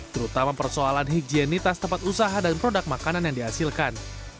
terutama persoalan higienitas tempat usaha dan produk makanan yang dihasilkan